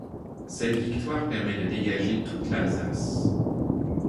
Cette victoire permet de dégager toute l'Alsace.